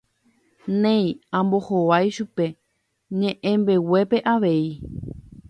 Néi, ambohovái chupe ñe'ẽmbeguépe avei.